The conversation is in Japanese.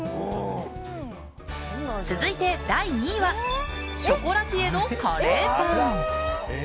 続いて第２位はショコラティエのカレーパン。